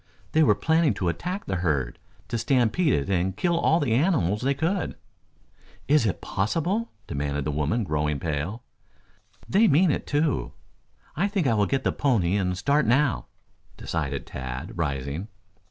"They were planning to attack the herd, to stampede it and kill all the animals they could " "Is it possible?" demanded the woman, growing pale. "They mean it, too. I think I will get the pony and start now," decided Tad, rising.